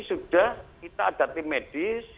sudah kita ada tim medis